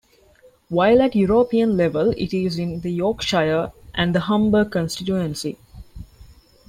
While at European level it is in the Yorkshire and the Humber constituency.